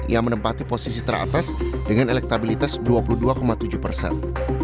yang menempati posisi teratas dengan elektabilitas dua puluh dua tujuh persen